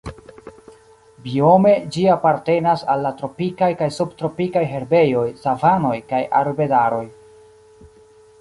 Biome ĝi apartenas al la tropikaj kaj subtropikaj herbejoj, savanoj kaj arbedaroj.